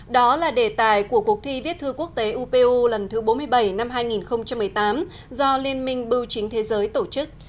đó là đề tài của cuộc thi viết thư quốc tế upu lần thứ bốn mươi bảy năm hai nghìn một mươi tám do liên minh bưu chính thế giới tổ chức